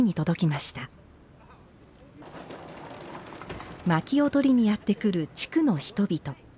まきを取りにやって来る地区の人々。